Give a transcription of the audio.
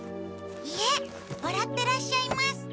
いえわらってらっしゃいます。